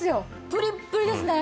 プリップリですね。